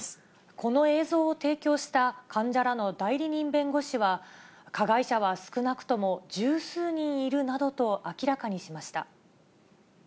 この映像を提供した患者らの代理人弁護士は、加害者は少なくとも十数人いるなどと明らかにしました。